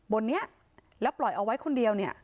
บนนี้แล้วปล่อยเอาไว้คนเดียวเนี่ย